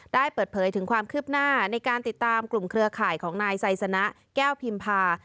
ได้เปิดเผยถึงความคืบหน้าในการติดตามกลุ่มเครือข่ายของนายไซสนะแก้วพิมพา